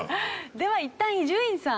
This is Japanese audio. ではいったん伊集院さん。